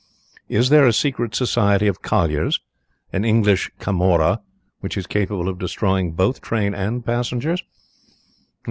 Is there a secret society of colliers, an English Camorra, which is capable of destroying both train and passengers?